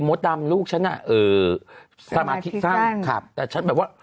โมตรดำลูกฉันนะสมาธิสรรค์แต่ฉันแบบว่า